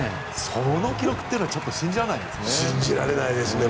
その記録っていうのは信じられないですね。